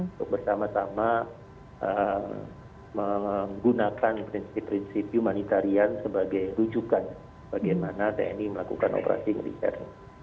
untuk bersama sama menggunakan prinsip prinsip humanitarian sebagai rujukan bagaimana tni melakukan operasi militer